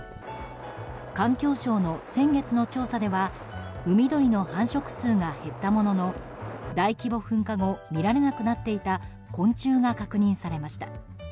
環境省の先月の調査ではウミドリの繁殖数が減ったものの大規模噴火後見られなくなっていた昆虫が確認されました。